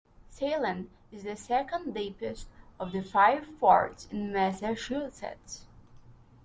Salem is the second deepest of the five ports in Massachusetts.